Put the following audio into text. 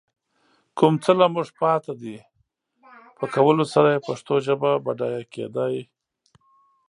کوم څه له موږ پاتې دي، په کولو سره يې پښتو ژبه بډايه کېدای